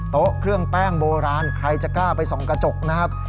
โต๊ะเครื่องแป้งโบราณใครจะกล้าไปส่องกระจกนะครับ